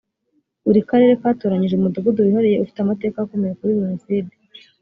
buri karere katoranyije umudugudu wihariye ufite amateka akomeye kuri jenoside